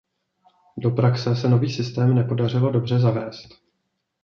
Do praxe se nový systém nepodařilo dobře zavést.